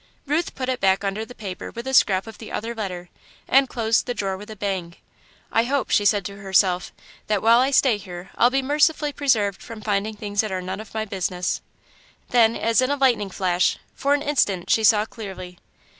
Ruth put it back under the paper, with the scrap of the other letter, and closed the drawer with a bang. "I hope," she said to herself, "that while I stay here I'll be mercifully preserved from finding things that are none of my business." Then, as in a lightning flash, for an instant she saw clearly.